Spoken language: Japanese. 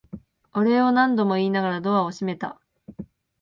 お礼を何度も言いながらドアを閉めた。